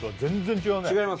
違います